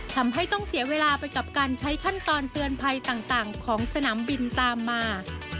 ทำให้ต้องเสียเวลาไปกับการใช้ขั้นตอนเตือนภัยต่างของสนามบินตามมา